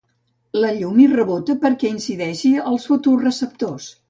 La llum hi rebota perquè incideixi als fotoreceptors.